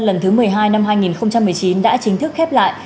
lần thứ một mươi hai năm hai nghìn một mươi chín đã chính thức khép lại